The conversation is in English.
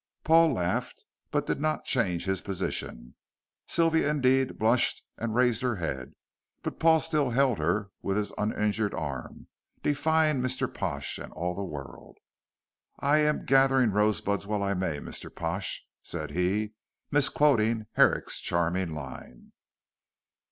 Paul laughed, but did not change his position. Sylvia indeed blushed and raised her head, but Paul still held her with his uninjured arm, defying Mr. Pash and all the world. "I am gathering rosebuds while I may, Mr. Pash," said he, misquoting Herrick's charming line.